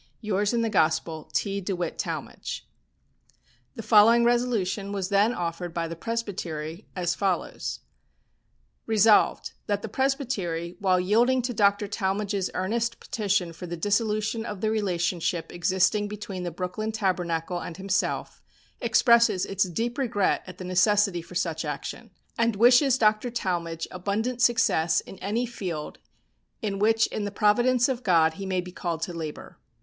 Yours in the Gospel, "T. DEWITT TALMAGE." The following resolution was then offered by the Presbytery as follows: "Resolved That the Presbytery, while yielding to Dr. Talmage's earnest petition for the dissolution of the relationship existing between the Brooklyn Tabernacle and himself, expresses its deep regret at the necessity for such action, and wishes Dr. Talmage abundant success in any field in which in the providence of God he may be called to labour.